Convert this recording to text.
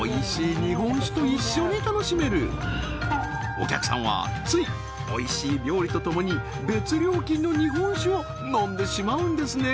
お客さんはついおいしい料理とともに別料金の日本酒を飲んでしまうんですね